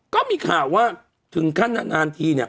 ก็มีข่าวว่าถึงขั้นนานทีเนี่ย